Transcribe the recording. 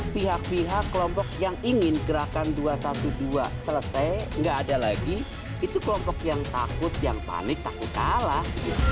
pihak pihak kelompok yang ingin gerakan dua ratus dua belas selesai nggak ada lagi itu kelompok yang takut yang panik takut kalah